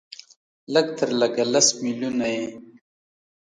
لږ تر لږه لس ملیونه یې